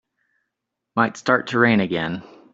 Might start to rain again.